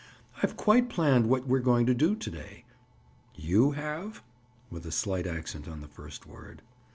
"I've quite planned what we're going to do to day." "You have?" With a slight accent on the first word.